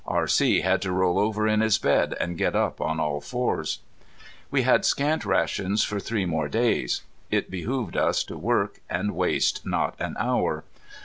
R.C. had to roll over in his bed and get up on all fours. We had scant rations for three more days. It behooved us to work and waste not an hour.